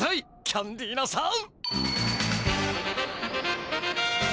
キャンディーナさん！